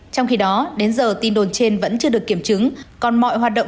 trong khi đó đến giờ tin đồn trên vẫn chưa được kiểm chứng còn mọi hoạt động